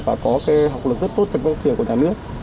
và có cái học lực rất tốt cho các trường của nhà nước